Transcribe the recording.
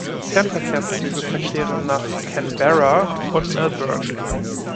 Fernverkehrszüge verkehren nach Canberra und Melbourne.